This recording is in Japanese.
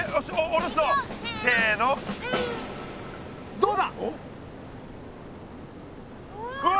どうだ？わ。